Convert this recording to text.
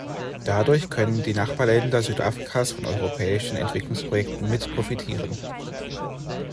Dadurch können die Nachbarländer Südafrikas von europäischen Entwicklungsprojekten mit profitieren.